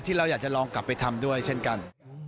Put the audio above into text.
เราอยากจะลองกลับไปทำด้วยเช่นกัน